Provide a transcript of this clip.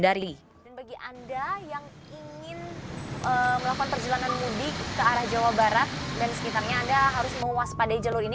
dan bagi anda yang ingin melakukan perjalanan mudik ke arah jawa barat dan sekitarnya anda harus menguas padai jalur ini